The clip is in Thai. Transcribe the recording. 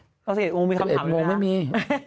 เจ้าเศรษฐ์มงงมีคำถามรึเปล่าครับไม่มี